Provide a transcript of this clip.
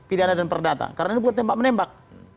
pidana dan perdata karena ini bukan tembak menembak